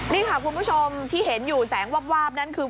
นี่ค่ะคุณผู้ชมที่เห็นอยู่แสงวาบนั่นคือ